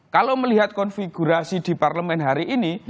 kalau melihat konfigurasi di parlemen hari ini